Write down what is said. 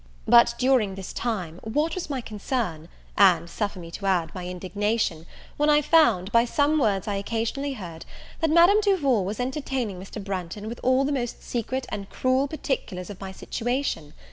But during this time, what was my concern, and, suffer me to add, my indignation, when I found, by some words I occasionally heard, that Madame Duval was entertaining Mr. Branghton with all the most secret and cruel particulars of my situation!